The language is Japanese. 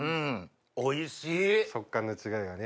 おいしい！